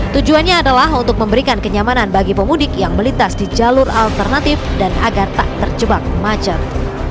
tujuannya adalah untuk memberikan kenyamanan bagi pemudik yang melintas di jalur alternatif dan agar tak terjebak macet